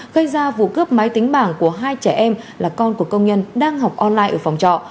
gây ra vụ cướp máy tính bảng của hai trẻ em là con của công nhân đang học online ở phòng trọ